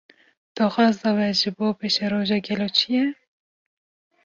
Daxwaza we, ji bo paşerojê gelo çi ye?